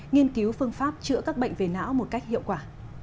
nghiên cứu phương pháp chữa các bệnh về não một cách hiệu quả